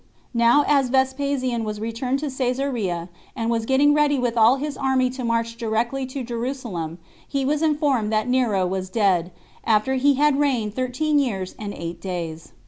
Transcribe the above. Now as Vespasian was returned to Cesarea, and was getting ready with all his army to march directly to Jerusalem, he was informed that Nero was dead, after he had reigned thirteen years and eight days.